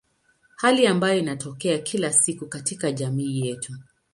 Hali ambayo inatokea kila siku katika jamii yetu.